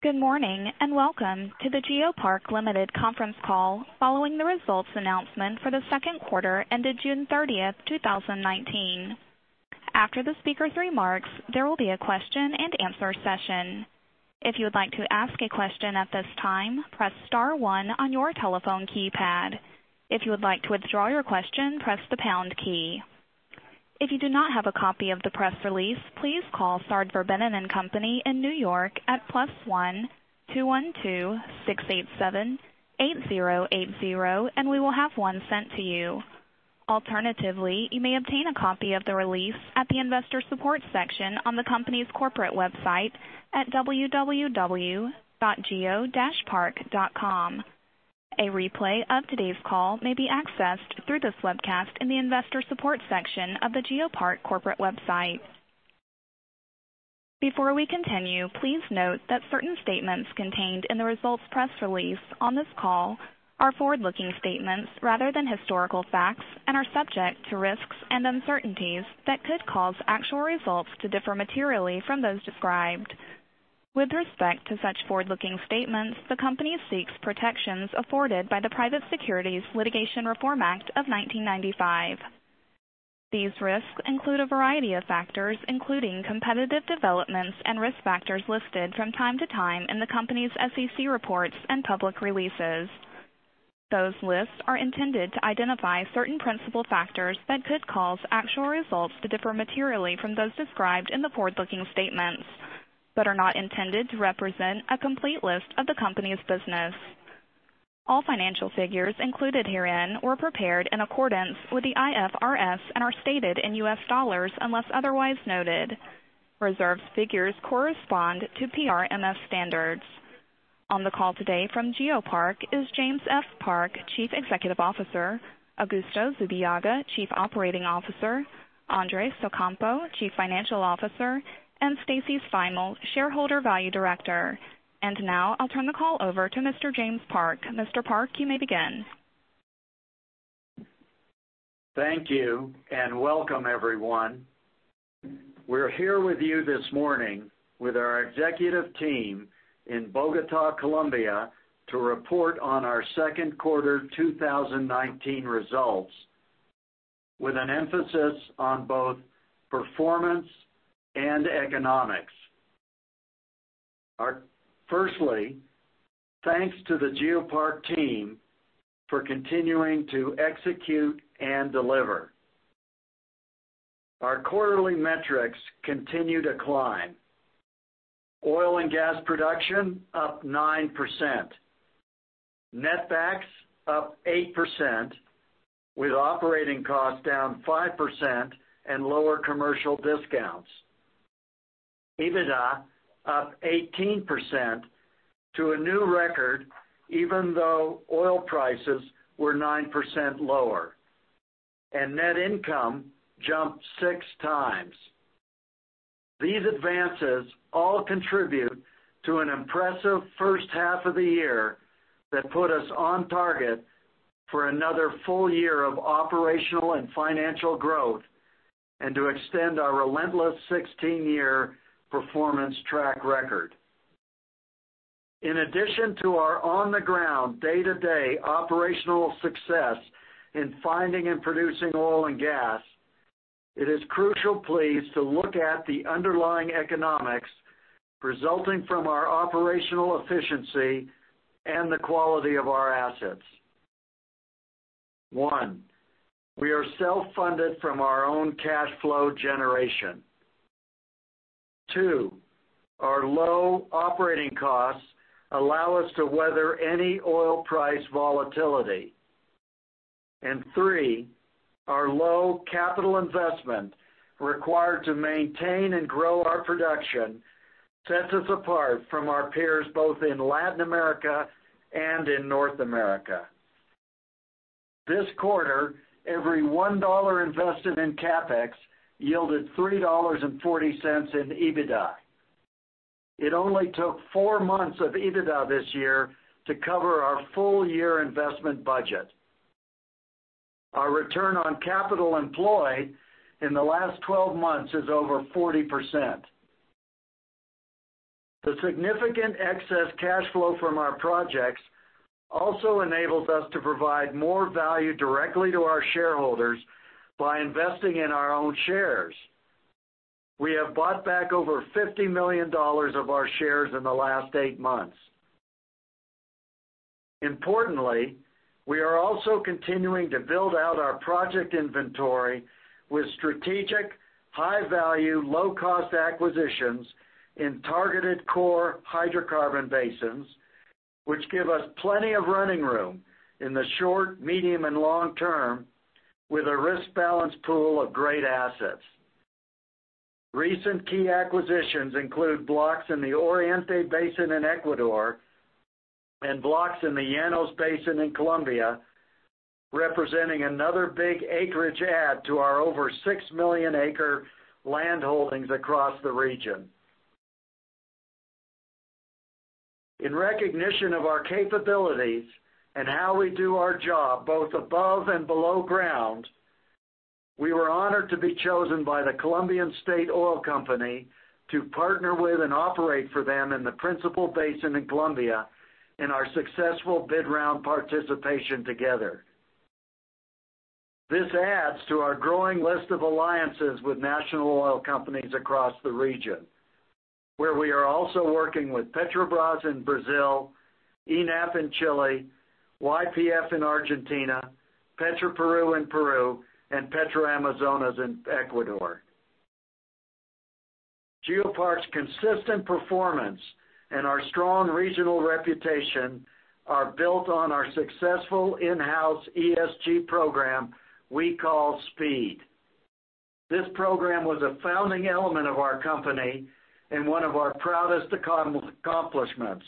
Good morning, and welcome to the GeoPark Limited conference call following the results announcement for the second quarter ended June 30, 2019. After the speaker's remarks, there will be a question and answer session. If you would like to ask a question at this time, press star one on your telephone keypad. If you would like to withdraw your question, press the pound key. If you do not have a copy of the press release, please call Sard Verbinnen & Co in New York at +1-212-687-8080, and we will have one sent to you. Alternatively, you may obtain a copy of the release at the investor support section on the company's corporate website at www.geopark.com. A replay of today's call may be accessed through this webcast in the investor support section of the GeoPark corporate website. Before we continue, please note that certain statements contained in the results press release on this call are forward-looking statements rather than historical facts and are subject to risks and uncertainties that could cause actual results to differ materially from those described. With respect to such forward-looking statements, the company seeks protections afforded by the Private Securities Litigation Reform Act of 1995. These risks include a variety of factors, including competitive developments and risk factors listed from time to time in the company's SEC reports and public releases. Those lists are intended to identify certain principal factors that could cause actual results to differ materially from those described in the forward-looking statements but are not intended to represent a complete list of the company's business. All financial figures included herein were prepared in accordance with the IFRS and are stated in US dollars unless otherwise noted. Reserve figures correspond to PRMS standards. On the call today from GeoPark is James F. Park, Chief Executive Officer, Augusto Zubillaga, Chief Operating Officer, Andres Ocampo, Chief Financial Officer, and Stacy Steimel, Shareholder Value Director. Now I'll turn the call over to Mr. James Park. Mr. Park, you may begin. Thank you. Welcome everyone. We're here with you this morning with our executive team in Bogota, Colombia, to report on our second quarter 2019 results with an emphasis on both performance and economics. Firstly, thanks to the GeoPark team for continuing to execute and deliver. Our quarterly metrics continue to climb. Oil and gas production up 9%. Netbacks up 8% with operating costs down 5% and lower commercial discounts. EBITDA up 18% to a new record even though oil prices were 9% lower, and net income jumped six times. These advances all contribute to an impressive first half of the year that put us on target for another full year of operational and financial growth and to extend our relentless 16-year performance track record. In addition to our on-the-ground, day-to-day operational success in finding and producing oil and gas, it is crucial, please, to look at the underlying economics resulting from our operational efficiency and the quality of our assets. One, we are self-funded from our own cash flow generation. Two, our low operating costs allow us to weather any oil price volatility. Three, our low capital investment required to maintain and grow our production sets us apart from our peers both in Latin America and in North America. This quarter, every $1 invested in CapEx yielded $3.40 in EBITDA. It only took 4 months of EBITDA this year to cover our full-year investment budget. Our return on capital employed in the last 12 months is over 40%. The significant excess cash flow from our projects also enables us to provide more value directly to our shareholders by investing in our own shares. We have bought back over $50 million of our shares in the last eight months. Importantly, we are also continuing to build out our project inventory with strategic, high-value, low-cost acquisitions in targeted core hydrocarbon basins, which give us plenty of running room in the short, medium, and long term with a risk-balanced pool of great assets. Recent key acquisitions include blocks in the Oriente Basin in Ecuador and blocks in the Llanos Basin in Colombia, representing another big acreage add to our over six million acre land holdings across the region. In recognition of our capabilities and how we do our job both above and below ground. We were honored to be chosen by the Colombian State Oil Company to partner with and operate for them in the principal basin in Colombia in our successful bid round participation together. This adds to our growing list of alliances with national oil companies across the region, where we are also working with Petrobras in Brazil, ENAP in Chile, YPF in Argentina, Petroperú in Peru, and Petroamazonas in Ecuador. GeoPark's consistent performance and our strong regional reputation are built on our successful in-house ESG program we call SPEED. This program was a founding element of our company and one of our proudest accomplishments,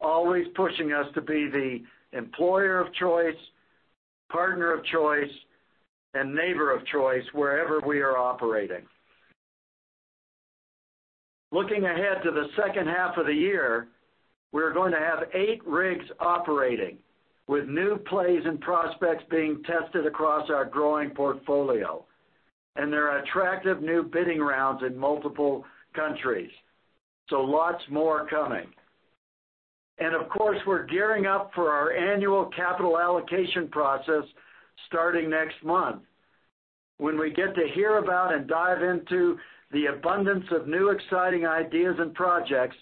always pushing us to be the employer of choice, partner of choice, and neighbor of choice wherever we are operating. There are attractive new bidding rounds in multiple countries, so lots more coming. Of course, we're gearing up for our annual capital allocation process starting next month, when we get to hear about and dive into the abundance of new exciting ideas and projects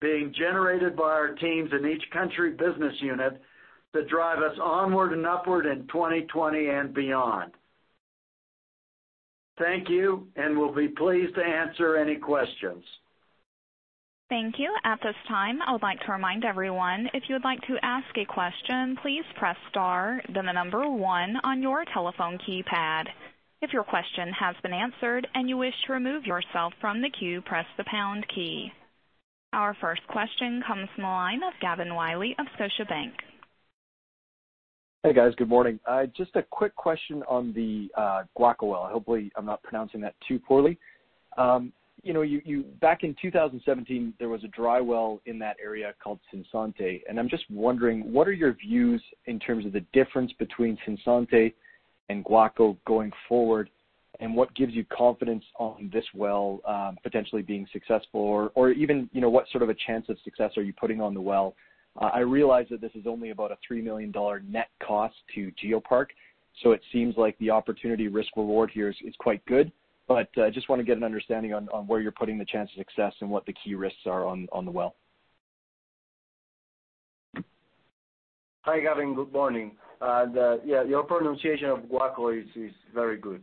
being generated by our teams in each country business unit to drive us onward and upward in 2020 and beyond. Thank you, and we'll be pleased to answer any questions. Thank you. At this time, I would like to remind everyone, if you would like to ask a question, please press star, then the number 1 on your telephone keypad. If your question has been answered and you wish to remove yourself from the queue, press the pound key. Our first question comes from the line of Gavin Wylie of Scotiabank. Hey, guys. Good morning. Just a quick question on the Guaco well. Hopefully, I'm not pronouncing that too poorly. Back in 2017, there was a dry well in that area called Cinzante. I'm just wondering, what are your views in terms of the difference between Cinzante and Guaco going forward, and what gives you confidence on this well potentially being successful? Even, what sort of a chance of success are you putting on the well? I realize that this is only about a $3 million net cost to GeoPark. It seems like the opportunity risk-reward here is quite good. I just want to get an understanding on where you're putting the chance of success and what the key risks are on the well. Hi, Gavin. Good morning. Your pronunciation of Guaco is very good.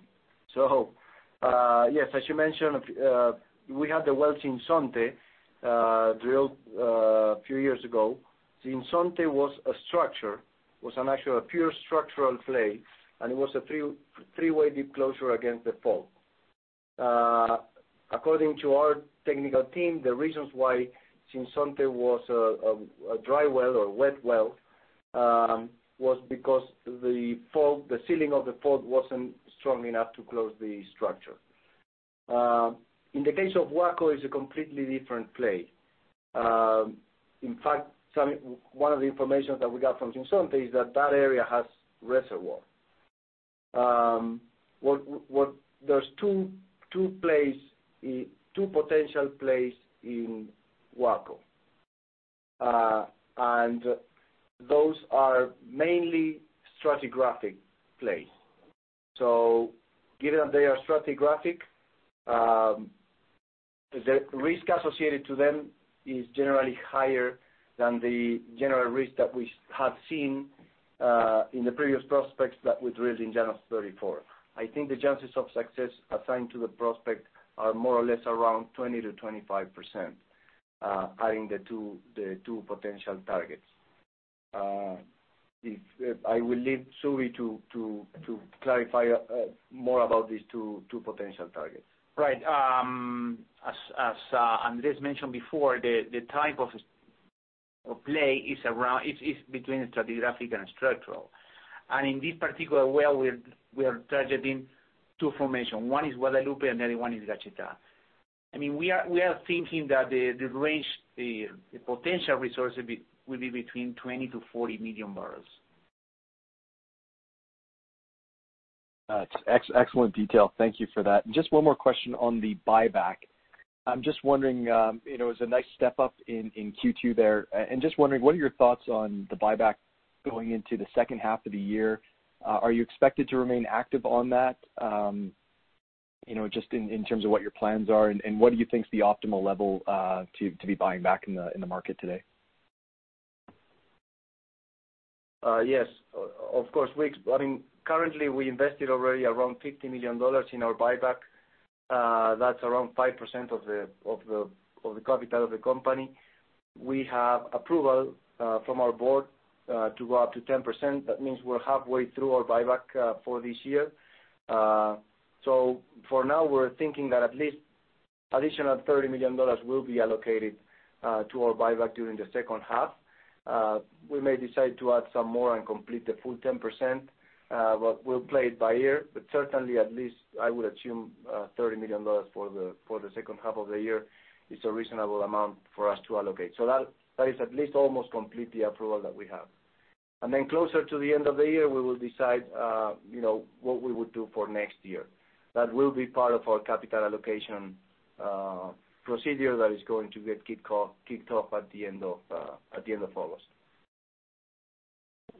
Yes, as you mentioned, we had the well, Cinzante, drilled a few years ago. Cinzante was a structure, was an actual pure structural play, and it was a three-way deep closure against the fault. According to our technical team, the reasons why Cinzante was a dry well or wet well was because the ceiling of the fault wasn't strong enough to close the structure. In the case of Guaco, it's a completely different play. In fact, one of the information that we got from Cinzante is that that area has reservoir. There's two potential plays in Guaco. Those are mainly stratigraphic plays. Given that they are stratigraphic, the risk associated to them is generally higher than the general risk that we have seen in the previous prospects that we drilled in Llanos 34. I think the chances of success assigned to the prospect are more or less around 20%-25% adding the two potential targets. I will leave Zvi to clarify more about these two potential targets. Right. As Andres mentioned before, the type of play is between stratigraphic and structural. In this particular well, we are targeting two formation. One is Guadalupe, another one is Gachetá. We are thinking that the range, the potential resource will be between 20 million-40 million barrels. Excellent detail. Thank you for that. Just one more question on the buyback. I'm just wondering, it was a nice step up in Q2 there. Just wondering, what are your thoughts on the buyback going into the second half of the year? Are you expected to remain active on that? Just in terms of what your plans are, and what do you think is the optimal level to be buying back in the market today? Yes, of course. Currently, we invested already around $50 million in our buyback. That's around 5% of the capital of the company. We have approval from our board to go up to 10%. That means we're halfway through our buyback for this year. For now, we're thinking that at least additional $30 million will be allocated to our buyback during the second half. We may decide to add some more and complete the full 10%, but we'll play it by ear. Certainly, at least I would assume $30 million for the second half of the year is a reasonable amount for us to allocate. That is at least almost complete the approval that we have. Closer to the end of the year, we will decide what we would do for next year. That will be part of our capital allocation procedure that is going to get kicked off at the end of August.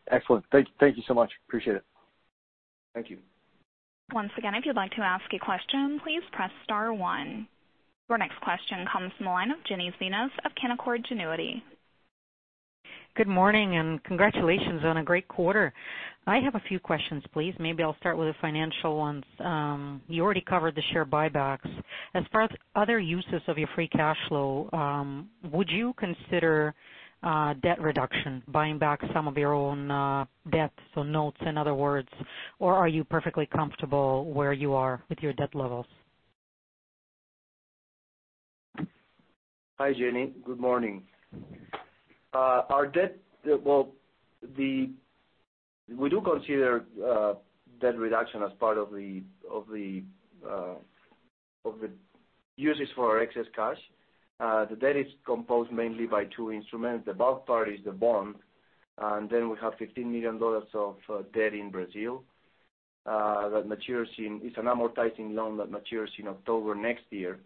Excellent. Thank you so much. Appreciate it. Thank you. Once again, if you'd like to ask a question, please press star one. Your next question comes from the line of Jenny Zelnar of Canaccord Genuity. Good morning, congratulations on a great quarter. I have a few questions, please. Maybe I'll start with the financial ones. You already covered the share buybacks. As far as other uses of your free cash flow, would you consider debt reduction, buying back some of your own debts or notes, in other words, or are you perfectly comfortable where you are with your debt levels? Hi, Jenny. Good morning. We do consider debt reduction as part of the uses for our excess cash. The debt is composed mainly by two instruments. The bulk part is the bond, and then we have $15 million of debt in Brazil. It's an amortizing loan that matures in October next year.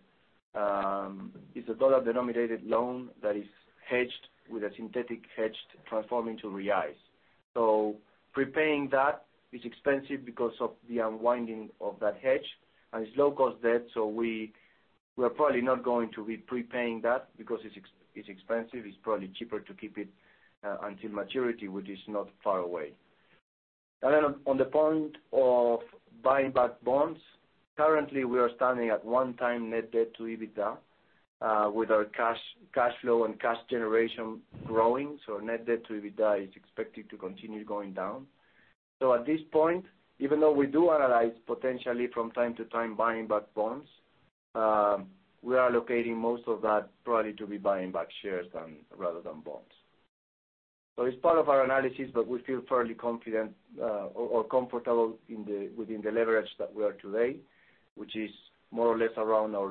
It's a dollar-denominated loan that is hedged with a synthetic hedge transforming to reais. Preparing that is expensive because of the unwinding of that hedge, and it's low-cost debt, so we are probably not going to be prepaying that because it's expensive. It's probably cheaper to keep it until maturity, which is not far away. On the point of buying back bonds, currently we are standing at one time net debt to EBITDA with our cash flow and cash generation growing, so net debt to EBITDA is expected to continue going down. At this point, even though we do analyze potentially from time to time buying back bonds, we are allocating most of that probably to be buying back shares rather than bonds. It's part of our analysis, we feel fairly confident or comfortable within the leverage that we are today, which is more or less around our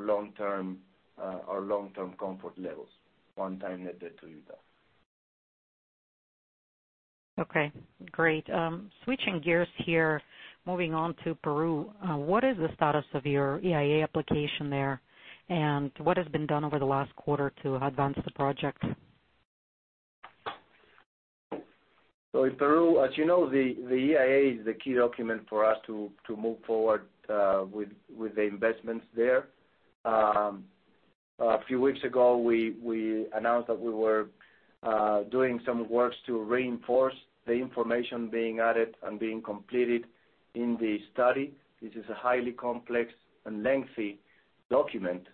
long-term comfort levels, 1x net debt to EBITDA. Okay. Great. Switching gears here, moving on to Peru. What is the status of your EIA application there, and what has been done over the last quarter to advance the project? In Peru, as you know, the EIA is the key document for us to move forward with the investments there. A few weeks ago, we announced that we were doing some works to reinforce the information being added and being completed in the study. This is a highly complex and lengthy document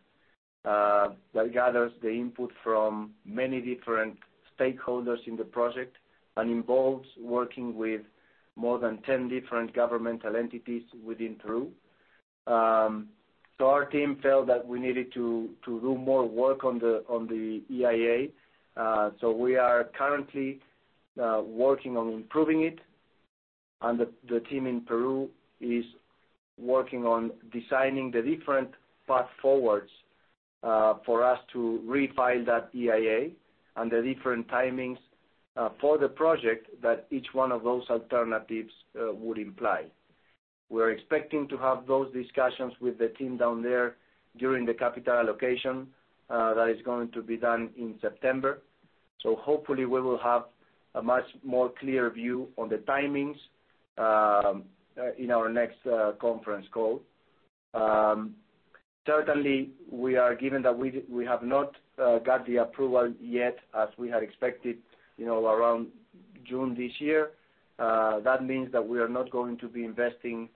that gathers the input from many different stakeholders in the project and involves working with more than 10 different governmental entities within Peru. Our team felt that we needed to do more work on the EIA. We are currently working on improving it, and the team in Peru is working on designing the different path forwards for us to refile that EIA and the different timings for the project that each one of those alternatives would imply. We're expecting to have those discussions with the team down there during the capital allocation that is going to be done in September. Hopefully, we will have a much more clear view on the timings in our next conference call. Certainly, given that we have not got the approval yet as we had expected around June this year, that means that we are not going to be investing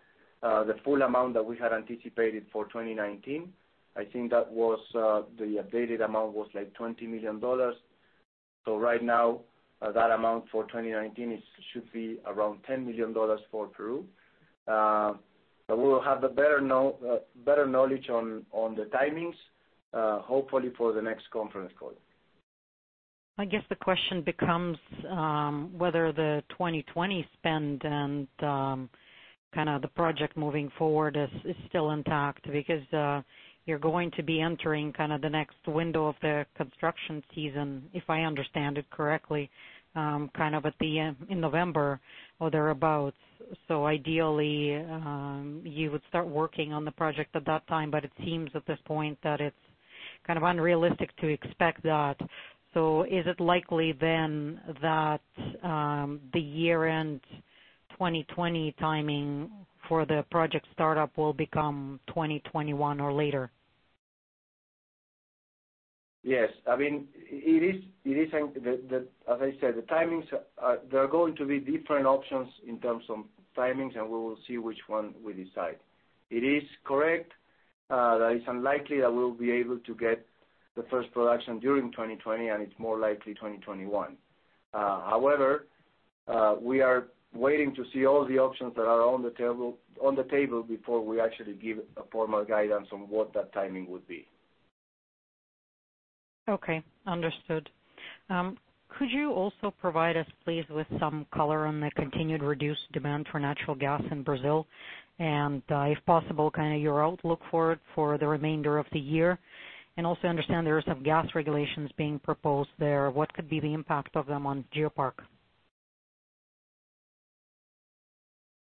the full amount that we had anticipated for 2019. I think the updated amount was like $20 million. Right now, that amount for 2019 should be around $10 million for Peru. We will have better knowledge on the timings, hopefully for the next conference call. I guess the question becomes whether the 2020 spend and the project moving forward is still intact because you're going to be entering the next window of the construction season, if I understand it correctly, in November or thereabouts? Ideally, you would start working on the project at that time, but it seems at this point that it's kind of unrealistic to expect that. Is it likely then that the year-end 2020 timing for the project startup will become 2021 or later? Yes. As I said, there are going to be different options in terms of timings, and we will see which one we decide. It is correct that it's unlikely that we'll be able to get the first production during 2020, and it's more likely 2021. However, we are waiting to see all the options that are on the table before we actually give a formal guidance on what that timing would be. Okay. Understood. Could you also provide us, please, with some color on the continued reduced demand for natural gas in Brazil, and if possible, kind of your outlook for it for the remainder of the year? Also, I understand there are some gas regulations being proposed there. What could be the impact of them on GeoPark?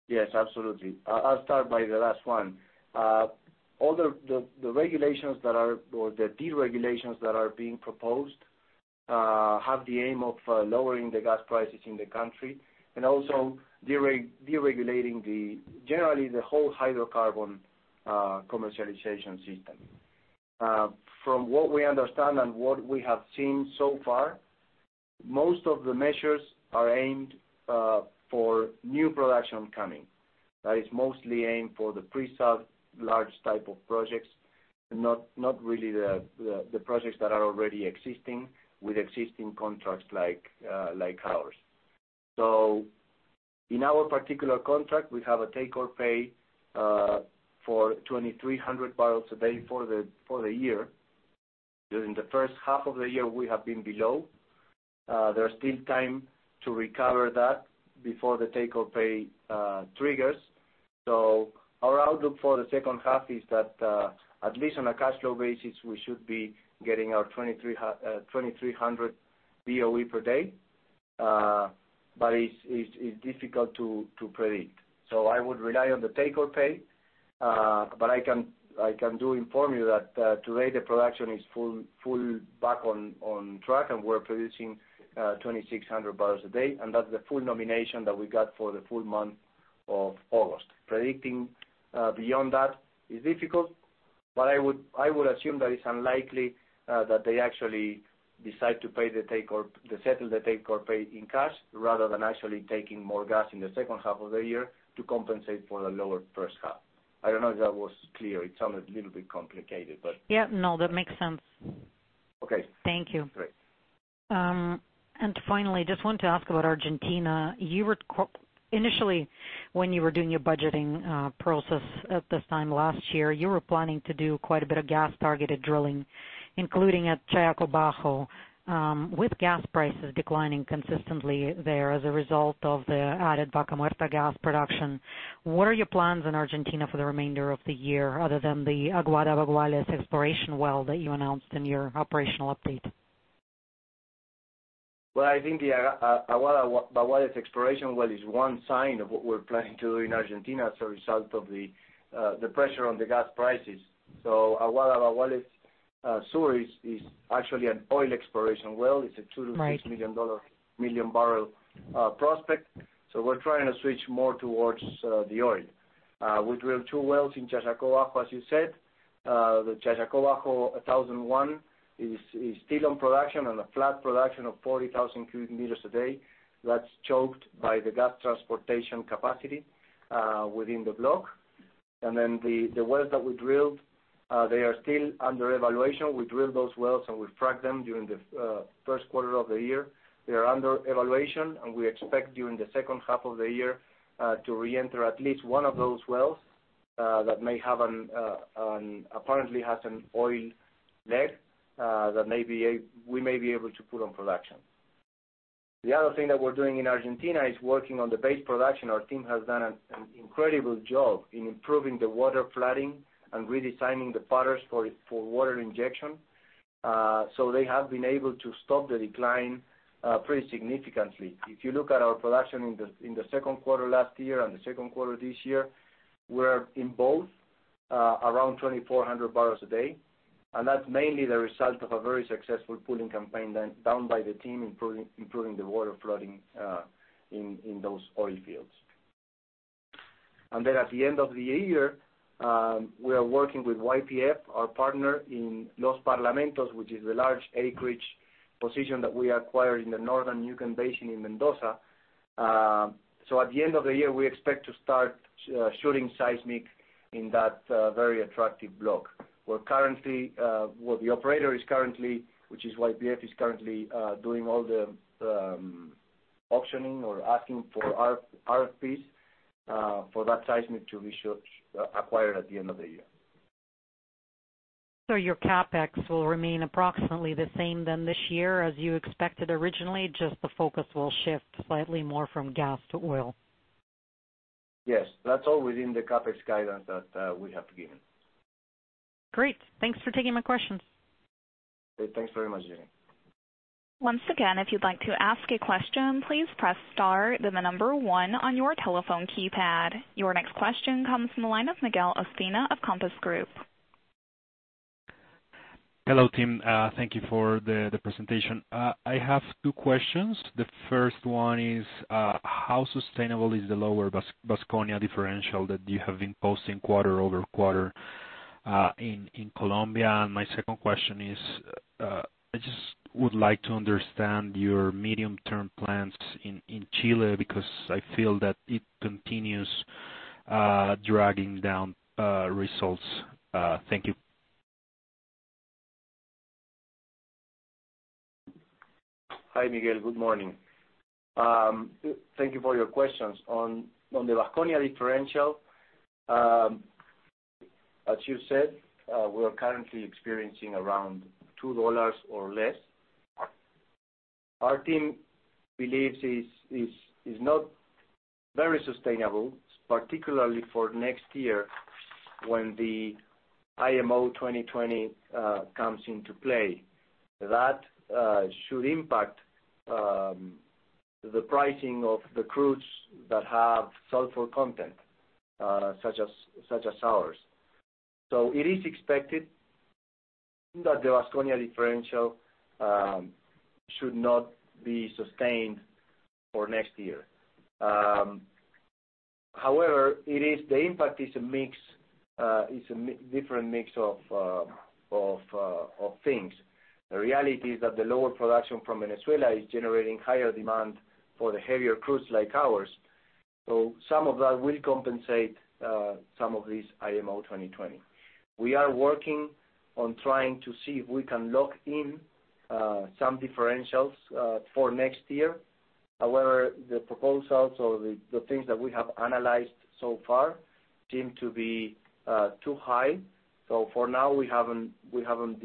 Yes, absolutely. I'll start by the last one. All the regulations or the deregulations that are being proposed have the aim of lowering the gas prices in the country, also deregulating generally the whole hydrocarbon commercialization system. From what we understand and what we have seen so far, most of the measures are aimed for new production coming. That is mostly aimed for the pre-salt large type of projects, not really the projects that are already existing with existing contracts like ours. In our particular contract, we have a take or pay for 2,300 barrels a day for the year. During the first half of the year, we have been below. There's still time to recover that before the take or pay triggers. Our outlook for the second half is that, at least on a cash flow basis, we should be getting our 2,300 BOE per day. It's difficult to predict. I would rely on the take or pay, but I can do inform you that today the production is full back on track, and we're producing 2,600 barrels a day, and that's the full nomination that we got for the full month of August. Predicting beyond that is difficult, but I would assume that it's unlikely that they actually decide to settle the take or pay in cash rather than actually taking more gas in the second half of the year to compensate for the lower first half. I don't know if that was clear. It sounded a little bit complicated. Yeah, no, that makes sense. Okay. Thank you. Great. Finally, just wanted to ask about Argentina. Initially, when you were doing your budgeting process at this time last year, you were planning to do quite a bit of gas-targeted drilling, including at Challaco Bajo. With gas prices declining consistently there as a result of the added Vaca Muerta gas production, what are your plans in Argentina for the remainder of the year other than the Aguada Baguales exploration well that you announced in your operational update? Well, I think the Aguada Baguales exploration well is one sign of what we're planning to do in Argentina as a result of the pressure on the gas prices. Aguada Baguales-2 is actually an oil exploration well. It's a $2 million-$6 million barrel prospect. We drilled two wells in Challaco Bajo, as you said. The Challaco Bajo 1001 is still in production on a flat production of 40,000 cubic meters a day. That's choked by the gas transportation capacity within the block. The wells that we drilled, they are still under evaluation. We drilled those wells, and we fracked them during the first quarter of the year. They are under evaluation, and we expect during the second half of the year to reenter at least one of those wells that apparently has an oil leg that maybe we may be able to put on production. The other thing that we're doing in Argentina is working on the base production. Our team has done an incredible job in improving the water flooding and redesigning the patterns for water injection. They have been able to stop the decline pretty significantly. If you look at our production in the second quarter last year and the second quarter this year, we're in both around 2,400 barrels a day. That's mainly the result of a very successful pulling campaign done by the team improving the water flooding in those oil fields. Then at the end of the year, we are working with YPF, our partner in Los Parlamentos, which is the large acreage position that we acquired in the Northern Neuquén Basin in Mendoza. At the end of the year, we expect to start shooting seismic in that very attractive block. The operator is currently, which is YPF, is currently doing all the auctioning or asking for RFPs for that seismic to be acquired at the end of the year. Your CapEx will remain approximately the same then this year as you expected originally, just the focus will shift slightly more from gas to oil? Yes. That's all within the CapEx guidance that we have given. Great. Thanks for taking my questions. Great. Thanks very much, Jenny. Once again, if you'd like to ask a question, please press star, then the number one on your telephone keypad. Your next question comes from the line of Miguel Ostoich of Compass Group. Hello, team. Thank you for the presentation. I have two questions. The first one is, how sustainable is the lower Vasconia differential that you have been posting quarter-over-quarter in Colombia? My second question is, I just would like to understand your medium-term plans in Chile, because I feel that it continues dragging down results. Thank you. Hi, Miguel. Good morning. Thank you for your questions. On the Vasconia differential, as you said, we are currently experiencing around $2 or less. Our team believes it's not very sustainable, particularly for next year. When the IMO 2020 comes into play, that should impact the pricing of the crudes that have sulfur content, such as ours. It is expected that the Vasconia differential should not be sustained for next year. However, the impact is a different mix of things. The reality is that the lower production from Venezuela is generating higher demand for the heavier crudes like ours. Some of that will compensate some of this IMO 2020. We are working on trying to see if we can lock in some differentials for next year. However, the proposals or the things that we have analyzed so far seem to be too high. For now, we haven't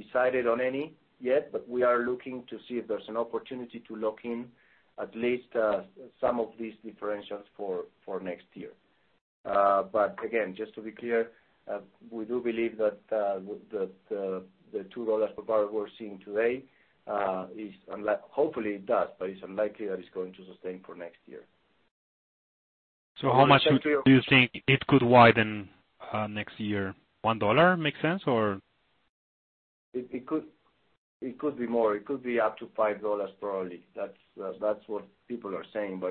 decided on any yet, but we are looking to see if there's an opportunity to lock in at least some of these differentials for next year. Again, just to be clear, we do believe that the $2 per barrel we're seeing today, hopefully it does, but it's unlikely that it's going to sustain for next year. How much do you think it could widen next year? $1 make sense or? It could be more. It could be up to $5 probably. That's what people are saying.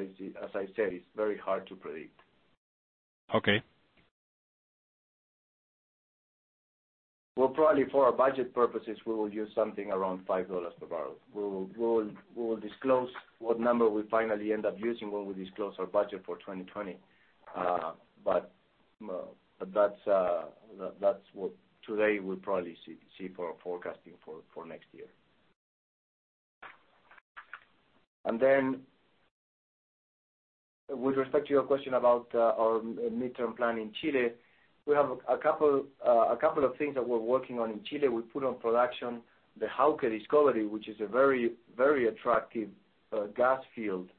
As I said, it's very hard to predict. Okay. Probably for our budget purposes, we will use something around $5 per barrel. We will disclose what number we finally end up using when we disclose our budget for 2020. That's what today we probably see for forecasting for next year. With respect to your question about our midterm plan in Chile, we have a couple of things that we're working on in Chile. We put on production the Jauke discovery, which is a very attractive gas field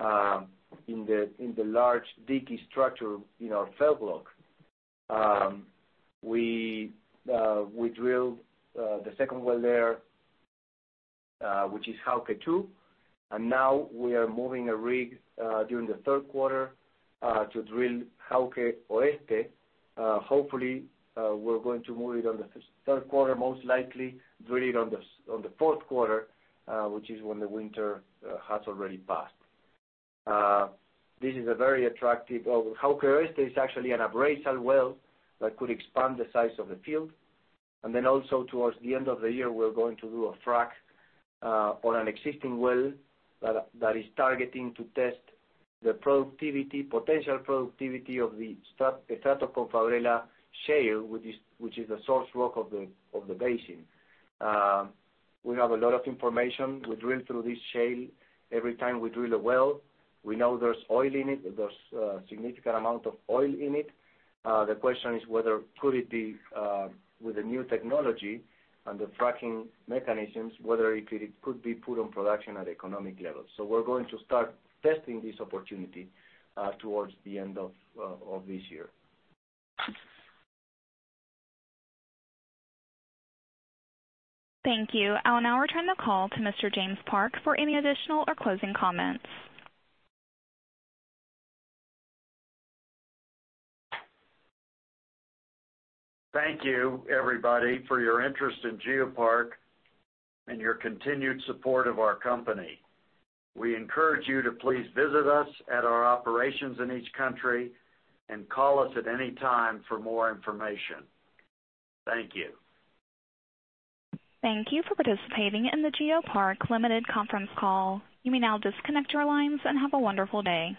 in the large dike structure in our Fell block. We drilled the second well there, which is Jauke 2. Now we are moving a rig during the third quarter to drill Jauke Oeste. Hopefully, we're going to move it on the third quarter, most likely drill it on the fourth quarter, which is when the winter has already passed. Jauke Oeste is actually an appraisal well that could expand the size of the field. Then also towards the end of the year, we're going to do a frack on an existing well that is targeting to test the potential productivity of the Estrato Confluencia shale, which is the source rock of the basin. We have a lot of information. We drill through this shale every time we drill a well. We know there's oil in it. There's a significant amount of oil in it. The question is whether could it be with the new technology and the fracking mechanisms, whether it could be put on production at economic levels. We're going to start testing this opportunity towards the end of this year. Thank you. I'll now return the call to Mr. James Park for any additional or closing comments. Thank you everybody for your interest in GeoPark and your continued support of our company. We encourage you to please visit us at our operations in each country and call us at any time for more information. Thank you. Thank you for participating in the GeoPark Limited conference call. You may now disconnect your lines and have a wonderful day.